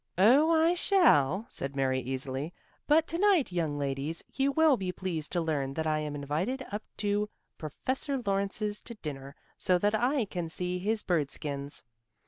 "Oh, I shall," said Mary easily. "But to night, young ladies, you will be pleased to learn that I am invited up to Professor Lawrence's to dinner, so that I can see his bird skins.